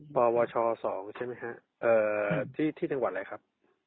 ๒๐๒๐ปวชใช่ไหมฮะอ่าที่ที่ที่เฉพาะอะไรครับ